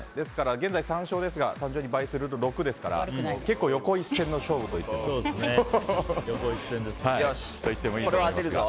現在３勝ですが単純に倍すると６ですから結構、横一線の勝負と言ってもいいと思います。